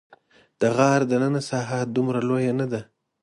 د غار دننه ساحه دومره لویه نه ده.